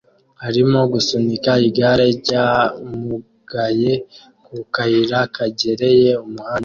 arimo asunika igare ry'abamugaye ku kayira kegereye umuhanda